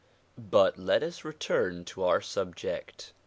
But let us return to our subject.